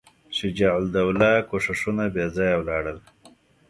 شجاع الدوله کوښښونه بېځایه ولاړل.